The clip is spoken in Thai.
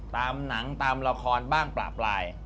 ตามหนังตามละครบ้างประปราย